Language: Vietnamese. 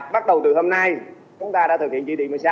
bắt đầu từ hôm nay chúng ta đã thực hiện chỉ định một mươi sáu